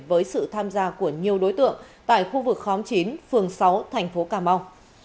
với sự tham gia của nhiều đối tượng tại khu vực khóm chín phường sáu thành phố cà mau